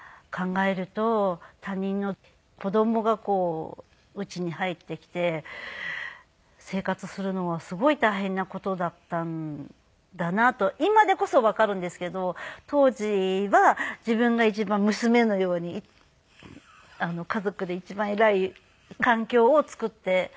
他人の子供が家に入ってきて生活するのはすごい大変な事だったんだなと今でこそわかるんですけど当時は自分が一番娘のように家族で一番偉い環境を作ってもらえていましたね。